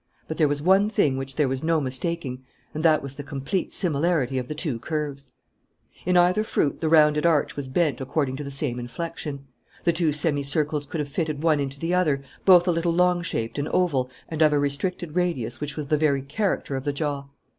But there was one thing which there was no mistaking and that was the complete similarity of the two curves. In either fruit the rounded arch was bent according to the same inflection. The two semicircles could have fitted one into the other, both very narrow, both a little long shaped and oval and of a restricted radius which was the very character of the jaw.